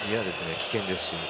危険ですし。